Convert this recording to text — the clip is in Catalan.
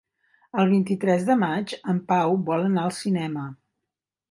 El vint-i-tres de maig en Pau vol anar al cinema.